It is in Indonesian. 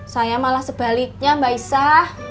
saya malah sebaliknya mbak isa